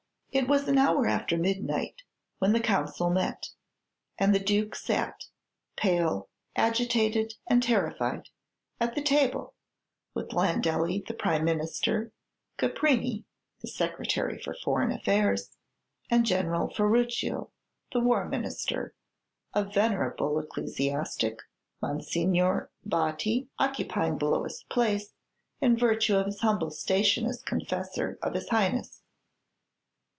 It was an hour after midnight when the Council met; and the Duke sat, pale, agitated, and terrified, at the table, with Landelli, the Prime Minister, Caprini, the Secretary for Foreign Affairs, and General Ferrucio, the War Minister; a venerable ecclesiastic, Monsignore Abbati, occupying the lowest place, in virtue of his humble station as confessor of his Highness.